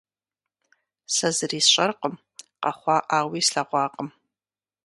Сэ зыри сщӏэркъым, къэхъуаӏауи слъэгъуакъым.